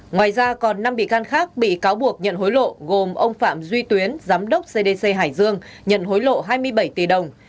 ngoài ra còn năm bị can khác bị cáo buộc nhận hối lộ gồm ông phạm duy tuyến giám đốc cdc hải dương nhận hối lộ hai mươi bảy tỷ đồng